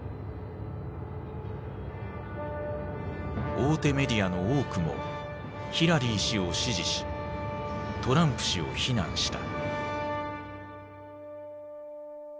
大手メディアの多くもヒラリー氏を支持しトランプ氏を非難した。